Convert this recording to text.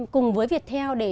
cùng với việt theo để